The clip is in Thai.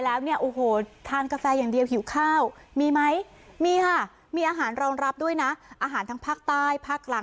แล้วเนี่ยโอ้โหทานกาแฟอย่างเดียวหิวข้าวมีไหมมีค่ะมีอาหารรองรับด้วยนะอาหารทางภาคใต้ภาคกลาง